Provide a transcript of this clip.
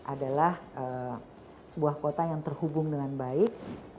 adalah sebuah kota yang terhubung dengan baik